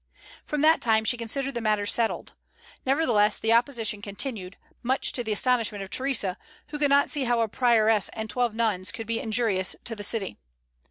From that time she considered the matter settled. Nevertheless the opposition continued, much to the astonishment of Theresa, who could not see how a prioress and twelve nuns could be injurious to the city.